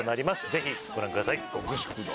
ぜひご覧ください。